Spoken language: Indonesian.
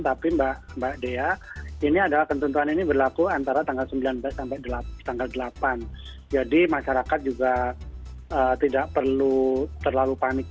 tapi mbak dea ini adalah ketentuan ini berlaku antara tanggal sembilan belas sampai tanggal delapan